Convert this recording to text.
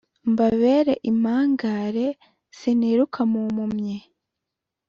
mbabera impangare siniruka mu mpunnyi